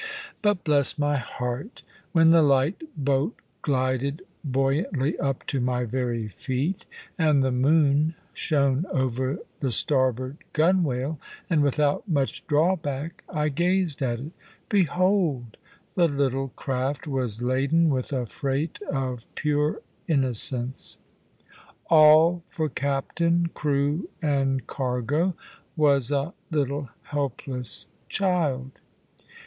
But, bless my heart, when the light boat glided buoyantly up to my very feet, and the moon shone over the starboard gunwale, and without much drawback I gazed at it behold! the little craft was laden with a freight of pure innocence! All for captain, crew, and cargo, was a little helpless child.